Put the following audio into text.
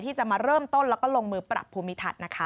ที่จะมาเริ่มต้นแล้วก็ลงมือปรับภูมิทัศน์นะคะ